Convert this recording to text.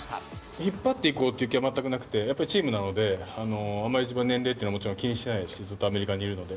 引っ張っていこうという気は全くなくて、やっぱりチームなので、あまり自分の年齢というのは気にしてないし、ずっとアメリカにいるので。